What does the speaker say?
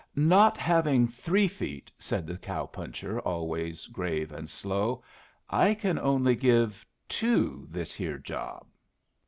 "Not having three feet," said the cow puncher, always grave and slow, "I can only give two this here job."